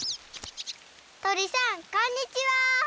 とりさんこんにちは！